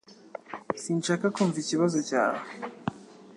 Sinshaka kumva ikibazo cyawe